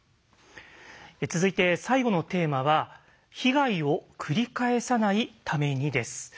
続いて最後のテーマは「被害を繰り返さないために」です。